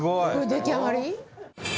出来上がり？